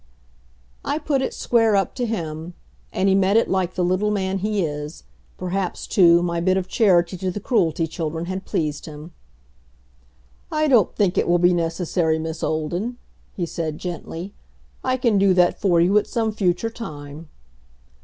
I put it square up to him. And he met it like the little man he is perhaps, too, my bit of charity to the Cruelty children had pleased him. "I don't think it will be necessary, Miss Olden," he said gently. "I can do that for you at some future time."